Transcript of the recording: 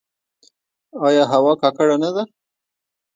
آیا هوا ککړه نه ده؟